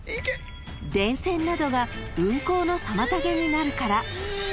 ［電線などが運行の妨げになるから］